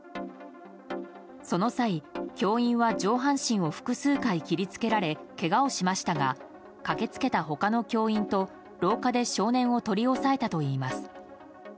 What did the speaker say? その際、教員は上半身を複数回切りつけられけがをしましたが駆けつけた他の教員と廊下で少年を取り押さえたといいます。